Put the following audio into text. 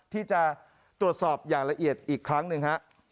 ที่จะตรวจสอบอย่างละเอียดอีกครั้งหนึ่งฮะ